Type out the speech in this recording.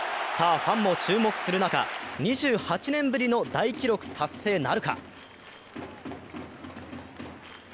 さあ、ファンも注目する中、２８年ぶりの大記録達成なるか。